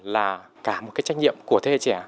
là cả một trách nhiệm của thế hệ trẻ